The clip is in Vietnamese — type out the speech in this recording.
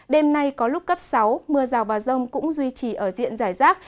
đêm nay có lúc cấp sáu mưa rào và rông cũng duy trì ở diện giải rác